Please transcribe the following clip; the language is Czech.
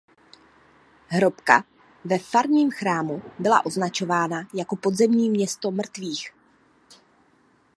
Hrobka ve farním chrámu byla označována jako podzemní město mrtvých.